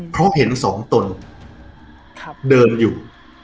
เพราะเห็นสองตนเดินอยู่